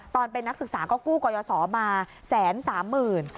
ตอนเป็นนักศึกษาก็กู้กรยศมาแสนสามหมื่น